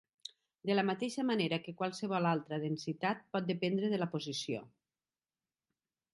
De la mateixa manera que qualsevol altra densitat pot dependre de la posició.